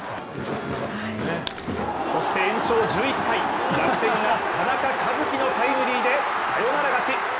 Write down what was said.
そして延長１１回楽天は田中和基のタイムリーでサヨナラ勝ち。